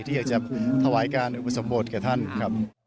ที่อยากจะถวายการอุปสมบทกับท่านครับ